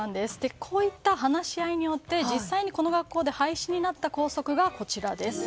こういった話し合いによって実際にこの学校で廃止になった校則がこちらです。